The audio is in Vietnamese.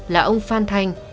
là ông phan thành